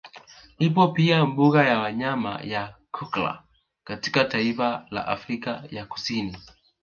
Ipo pia mbuga ya wanyama ya Kluger katika taifa la Afrika ya Kusini